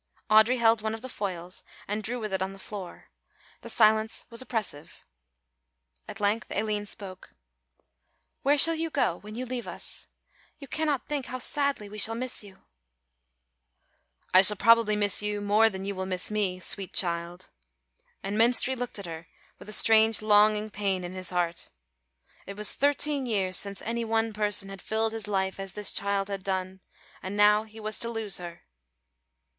Audry held one of the foils and drew with it on the floor. The silence was oppressive. At length Aline spoke. "Where shall you go, when you leave us? You cannot think how sadly we shall miss you." "I shall probably miss you more than you will miss me, sweet child," and Menstrie looked at her with a strange longing pain in his heart. It was thirteen years since any one person had filled his life as this child had done, and now he was to lose her.